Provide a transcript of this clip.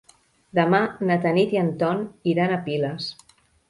Demà na Tanit i en Ton iran a Piles.